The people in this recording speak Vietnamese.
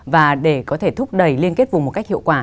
và để có thể thúc đẩy liên kết vùng một cách hiệu quả